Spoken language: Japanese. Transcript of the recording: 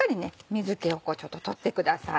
水気をちょっと取ってください。